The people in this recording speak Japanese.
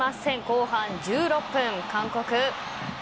後半１６分、韓国。